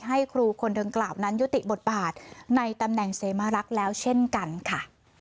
ให้ครูคนดังกล่าวนั้นยุติบทบาทในตำแหน่งเสมารักษ์แล้วเช่นกันค่ะ